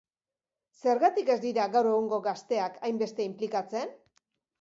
Zergatik ez dira gaur egungo gazteak hainbeste inplikatzen?